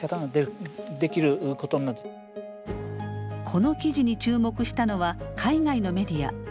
この記事に注目したのは海外のメディア。